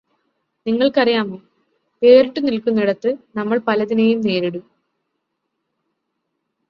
നിങ്ങൾക്ക് അറിയാമോ വേറിട്ടുനിൽക്കുന്നിടത്ത് നമ്മൾ പലതിനെയും നേരിടും